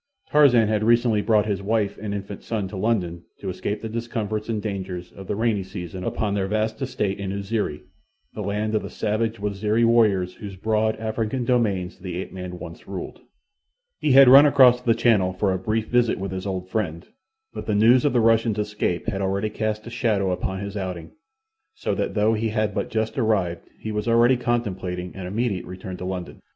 Tarzan had recently brought his wife and infant son to London to escape the discomforts and dangers of the rainy season upon their vast estate in Uziri—the land of the savage Waziri warriors whose broad African domains the ape man had once ruled. He had run across the Channel for a brief visit with his old friend, but the news of the Russian's escape had already cast a shadow upon his outing, so that though he had but just arrived he was already contemplating an immediate return to London.